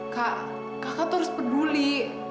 kak kakak tuh harus peduli